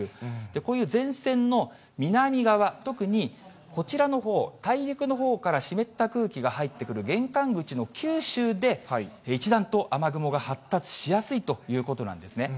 こういう前線の南側、特にこちらのほう、大陸のほうから湿った空気が入ってくる玄関口の九州で、一段と雨雲が発達しやすいということなんですね。